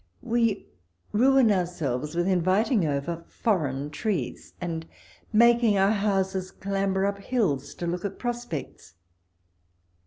We ruin ourselves with inviting over foreign trees, and making our houses clamber up hills to look at prospects.